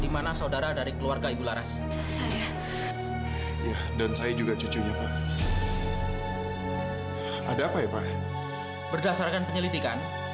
dimana saudara dari keluarga ibu laras dan saya juga cucunya ada apa ya pak berdasarkan penyelidikan